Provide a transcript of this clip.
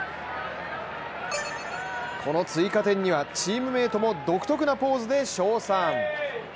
この追加点にはチームメートも独特なポーズで称賛。